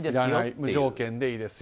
無条件でいいですよ